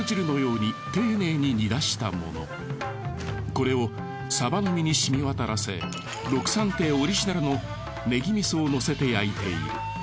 これをサバの身に染み渡らせろくさん亭オリジナルのねぎ味噌をのせて焼いている。